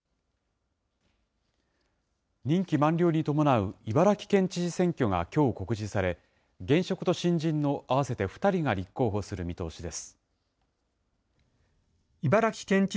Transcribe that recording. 任期満了に伴う茨城県知事選挙がきょう告示され、現職と新人の合わせて２人が立候補する見通しです。